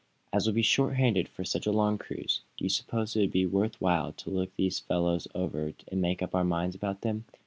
As we'll be shorthanded for such a long cruise, do you suppose it would be worth while to look these fellows over and make up our minds about them?"